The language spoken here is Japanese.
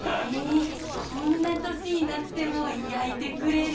こんな年になってもやいてくれる。